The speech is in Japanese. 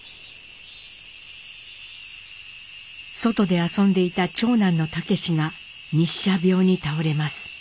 外で遊んでいた長男の武が日射病に倒れます。